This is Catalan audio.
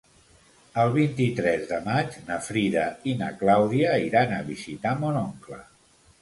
El vint-i-tres de maig na Frida i na Clàudia iran a visitar mon oncle.